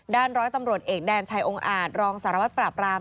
ร้อยตำรวจเอกแดนชัยองค์อาจรองสารวัตรปราบราม